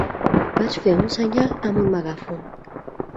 Vaig fer un senyal amb un megàfon.